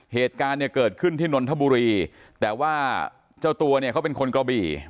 เหตุการณ์เนี่ยเกิดขึ้นที่นนทบุรีแต่ว่าเจ้าตัวเนี่ยเขาเป็นคนกระบี่